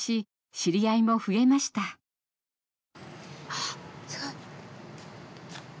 ああすごい。